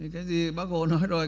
cái gì bác hồ nói rồi